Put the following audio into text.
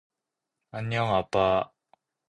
안녕, 아빠.